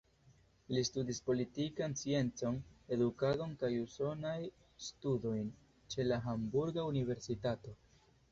Li studis politikan sciencon, edukadon kaj usonajn studojn ĉe la Hamburga universitato.